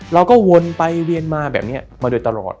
วนไปเวียนมาแบบนี้มาโดยตลอด